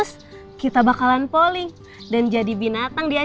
cowok itu udah habis berubah ya tolong ikuterin disitu